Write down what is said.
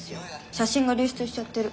写真が流出しちゃってる。